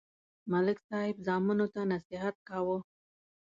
ملک صاحب زامنو ته نصحت کاوه